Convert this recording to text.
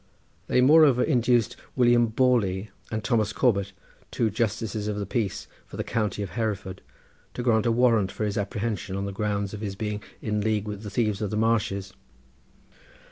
They moreover induced William Borley and Thomas Corbet, two justices of the peace for the county of Hereford, to grant a warrant for his apprehension on the ground of his being in league with the thieves of the Marches.